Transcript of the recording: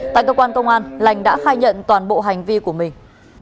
tại cơ quan công an lành đã khai nhận toàn bộ hành vi của mình